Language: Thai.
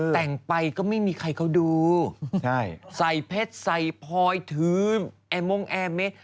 แต่งไปก็ไม่มีใครเขาดูใช่ใส่เพชรใส่พลอยถือแอร์มงแอร์เม